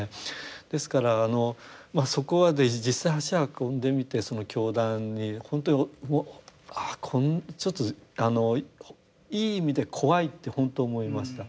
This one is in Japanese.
ですからそこまで実際足運んでみてその教団に本当にちょっとあのいい意味で怖いって本当思いました。